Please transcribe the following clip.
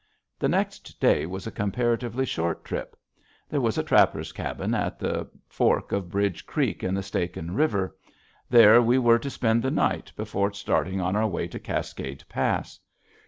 The next day was a comparatively short trip. There was a trapper's cabin at the fork of Bridge Creek in the Stehekin River. There we were to spend the night before starting on our way to Cascade Pass.